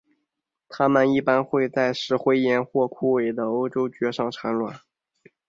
它们一般会在石灰岩或枯萎的欧洲蕨上产卵。